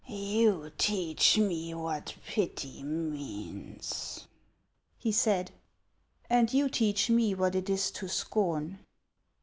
" You teach me what pity means," he said. " And you teach me what it is to scorn."